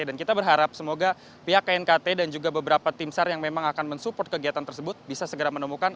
dan kita berharap semoga pihak knkt dan juga beberapa tim sar yang memang akan mensupport kegiatan tersebut bisa segera menemukan